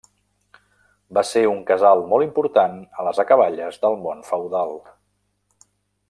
Va ser un casal molt important a les acaballes del món feudal.